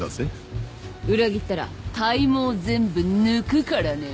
裏切ったら体毛全部抜くからね。